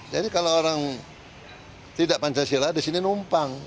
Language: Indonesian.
jadi kalau orang tidak pancasila di sini numpang